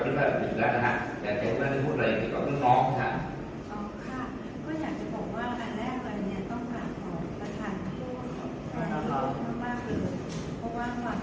เพราะว่าที่เขาไม่ได้อยู่ประเทศเรานานแล้ว